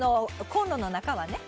コンロの中はね。